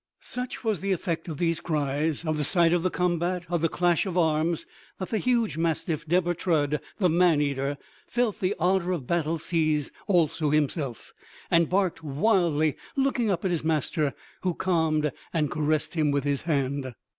Such was the effect of these cries, of the sight of the combat, of the clash of arms, that the huge mastiff Deber Trud, the man eater, felt the ardor of battle seize also himself, and barked wildly looking up at his master, who calmed and caressed him with his hand.